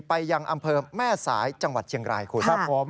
ยังอำเภอแม่สายจังหวัดเชียงรายคุณครับผม